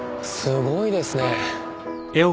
すごいですね。